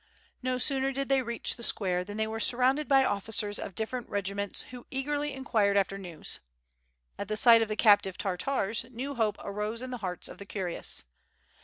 No sooner did they reach the square than they were surrounded by officers of different regiments who eagerly in quired after news. At the sight of the captive Tartars new hope arose in the hearts of the curious.